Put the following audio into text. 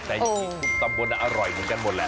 แต่จริงทุกตำบลอร่อยเหมือนกันหมดแหละ